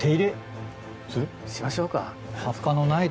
しましょうか。